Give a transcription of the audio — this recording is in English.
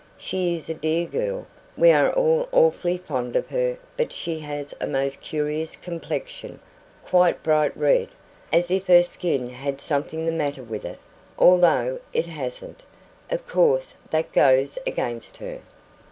She is a dear girl we are all awfully fond of her but she has a most curious complexion quite bright red, as if her skin had something the matter with it, although it hasn't. Of course, that goes against her."